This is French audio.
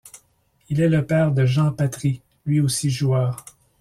Il est le père de Jean Patry, lui aussi joueur.